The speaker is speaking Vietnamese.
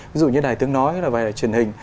ví dụ như đài tướng nói hay là vài cái truyền hình